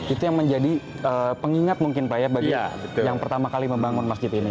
itu yang menjadi pengingat mungkin pak ya bagi yang pertama kali membangun masjid ini